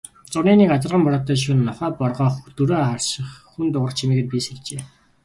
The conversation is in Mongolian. Зуны нэг азарган бороотой шөнө нохой боргоох, дөрөө харших, хүн дуугарах чимээгээр би сэржээ.